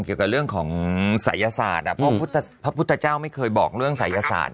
เกี่ยวกับเรื่องของศัยศาสตร์เพราะพระพุทธเจ้าไม่เคยบอกเรื่องศัยศาสตร์